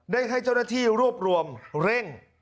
ได้ให้เจ้าหน้าที่รวบรวมเร่ง